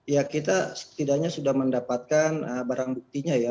ya kita setidaknya sudah mendapatkan barang buktinya ya